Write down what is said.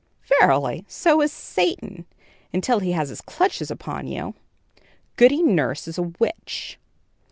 "Verily, so is Satan, until he has his clutches upon you. Goody Nurse is a witch."